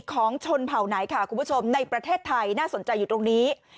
ของชนเผ่าไหนค่ะคุณผู้ชมในประเทศไทยน่าสนใจอยู่ตรงนี้